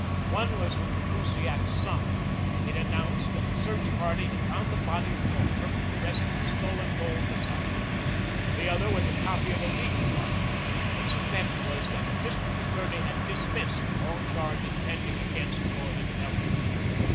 One was from the Kusiak "Sun." It announced that the search party had found the body of Northrup with the rest of the stolen gold beside him. The other was a copy of a legal document. Its effect was that the district attorney had dismissed all charges pending against Gordon Elliot.